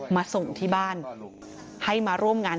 มาส่งที่บ้าน